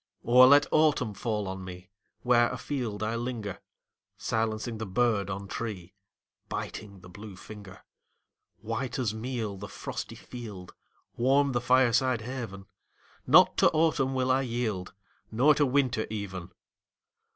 Or let autumn fall on me Where afield I linger, Silencing the bird on tree, Biting the blue finger. White as meal the frosty field Warm the fireside haven Not to autumn will I yield, Not to winter even!